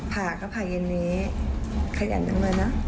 ผ่าก็ผ่าเย็นนี้ขยันจังเลยนะ